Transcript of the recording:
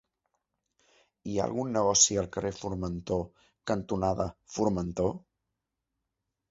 Hi ha algun negoci al carrer Formentor cantonada Formentor?